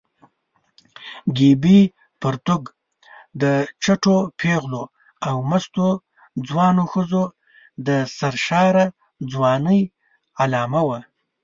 ګیبي پرتوګ د چټو پېغلو او مستو ځوانو ښځو د سرشاره ځوانۍ علامه وه.